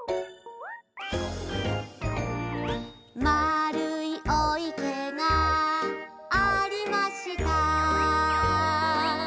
「まるいお池がありました」